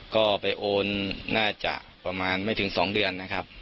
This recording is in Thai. ก็ไปโอนน่าจะประมาณไม่ถึง๒เดือนนะครับ